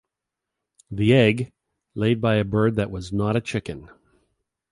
The egg - laid by a bird that was not a chicken.